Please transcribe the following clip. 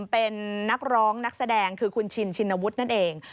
เป็นนักร้องนักแสดงคือคุณชินชินวุฒินั่นเอง